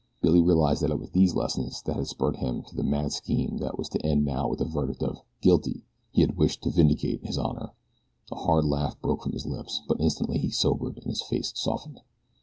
Billy realized that it had been these lessons that had spurred him on to the mad scheme that was to end now with the verdict of "Guilty" he had wished to vindicate his honor. A hard laugh broke from his lips; but instantly he sobered and his face softened.